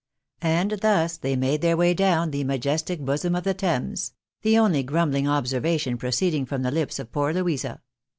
And thus they made their way down " the majestic bosom of the Thames ;" the only grumbling observation proceeding from the lips of poor Louisa.